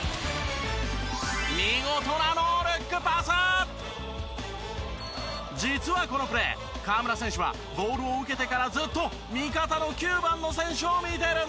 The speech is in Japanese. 見事な実はこのプレー河村選手はボールを受けてからずっと味方の９番の選手を見てるんです。